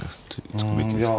突くべきですか。